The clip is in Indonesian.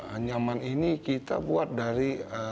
anyaman ini kita buat dari